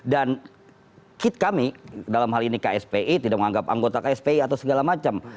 dan kit kami dalam hal ini kspi tidak menganggap anggota kspi atau segala macam